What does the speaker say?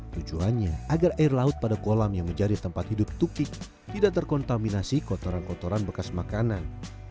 tujuannya agar air laut pada kolam yang menjadi tempat hidup tukik tidak terkontaminasi kotoran kotoran bekas makanan